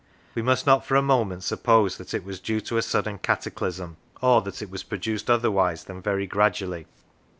We must not for a moment suppose that it was due to a sudden cataclysm; or that it was produced otherwise than very gradually.